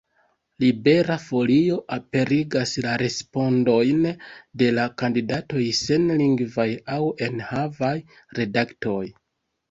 Libera Folio aperigas la respondojn de la kandidatoj sen lingvaj aŭ enhavaj redaktoj.